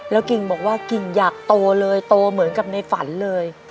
กิ่งบอกว่ากิ่งอยากโตเลยโตเหมือนกับในฝันเลย